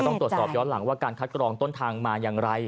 ต้องตรวจสอบย้อนหลังว่าการคัดกรองต้นทางมาอย่างไร